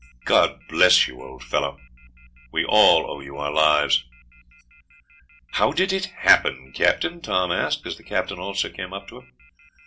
God bless you, old fellow! We all owe you our lives." "How did it happen, captain?" Tom asked, as the captain also came up to him.